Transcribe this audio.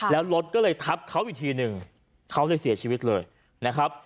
แล้วรถก็เลยทับเขาอีกทีหนึ่งเขาเลยเสียชีวิตเลยนะครับ